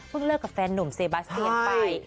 เพิ่งเลิกกับแฟนนุ่มเซบาสเตียนไป